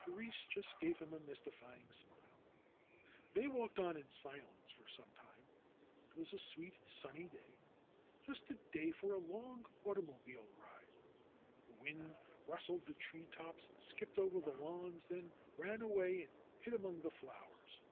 Therese just gave him a mystifying smile. They walked on in silence for some time. It was a sweet, sunny day, just a day for a long automobile ride. The wind rustled the tree tops and skipped over the lawns, then ran away and hid among the flowers.